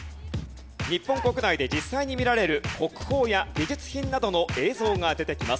日本国内で実際に見られる国宝や美術品などの映像が出てきます。